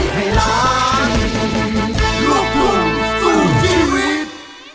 โรคทุ่มสูตรที่รืด